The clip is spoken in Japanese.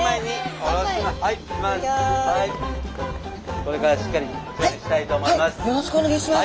これからしっかり調理したいと思います。